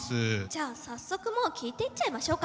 じゃあ早速もう聞いていっちゃいましょうか。